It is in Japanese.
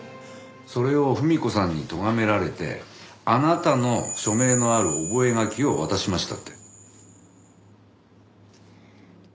それを文子さんにとがめられてあなたの署名のある覚書を渡しましたって。